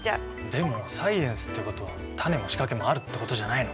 でもサイエンスってことは種も仕掛けもあるってことじゃないの？